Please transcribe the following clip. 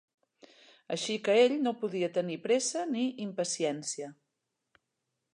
Així que ell no podia tenir pressa ni impaciència.